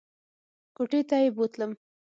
کوټې ته یې بوتلم !